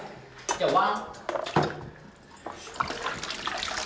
じゃあ１。